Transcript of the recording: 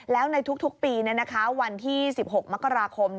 แล้วในทุกปีนั้นนะคะวันที่๑๖มกราคม